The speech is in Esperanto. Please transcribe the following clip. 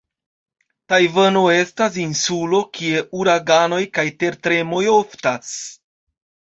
Tajvano estas insulo, kie uraganoj kaj tertremoj oftas.